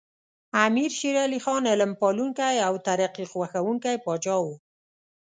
امیر شیر علی خان علم پالونکی او ترقي خوښوونکی پاچا و.